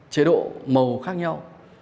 chế độ màu khác nhau